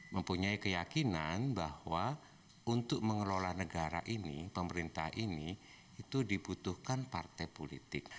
mempunyai keyakinan bahwa untuk mengelola negara ini pemerintah ini itu dibutuhkan partai politik